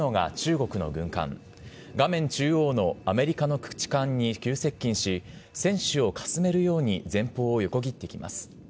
中央のアメリカの駆逐艦に急接近し、船首をかすめるように前方を横切ってきます。